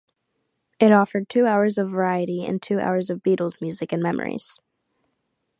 It offered two hours of variety and two hours of Beatles music and memories.